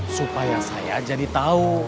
supaya saya jadi tahu